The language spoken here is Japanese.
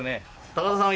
高田さん